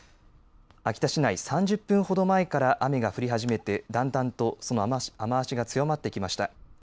秋田市内３０分ほど前から雨が降り始めてだんだんとその雨足が強まってきました。